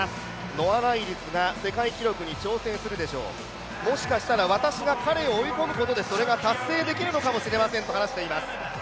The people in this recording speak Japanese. ノア・ライルズが世界記録に挑戦するでしょう、もしかしたら彼を追い込むことでそれが達成できるのかもしれませんと話しています。